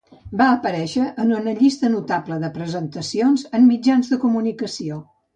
Va aparèixer en una llista notable de presentacions en mitjans de comunicació.